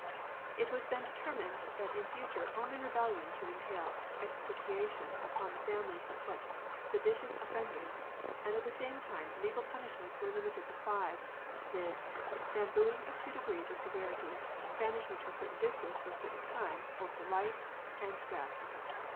It was then determined that in future only rebellion should entail extirpation upon the families of such seditious offenders, and at the same time legal punishments were limited to five, viz. : bambooing of two degrees of severity, banish ment to a certain distance for a certain time or for life, and death.